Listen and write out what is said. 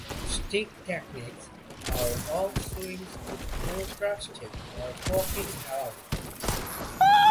Stick techniques are all swings with no thrusting or poking allowed.